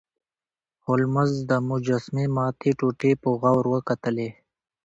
هولمز د مجسمې ماتې ټوټې په غور وکتلې.